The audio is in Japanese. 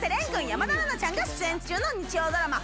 山田杏奈ちゃんが出演中の日曜ドラマ